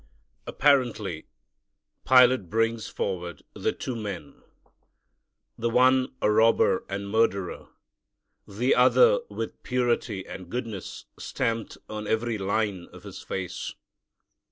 Apparently Pilate brings forward the two men, the one a robber and murderer, the other with purity and goodness stamped on every line of His face.